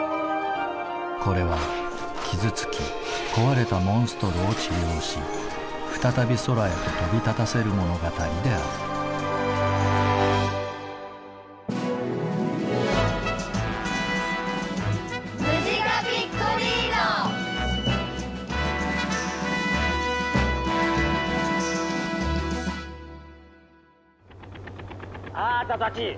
これは傷つき壊れたモンストロを治療し再び空へと飛び立たせる物語であるあたたち！